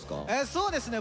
そうですね